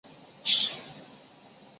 终年三十六岁。